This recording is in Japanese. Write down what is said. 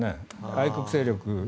愛国勢力。